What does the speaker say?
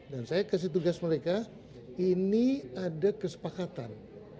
dan saya kasih tugas mereka ini ada kesepakatan